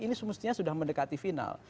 ini semestinya sudah mendekati final